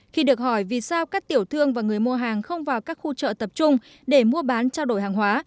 khi được hỏi vì sao các tiểu thương và người mua hàng không vào các khu chợ tập trung để mua bán trao đổi hàng hóa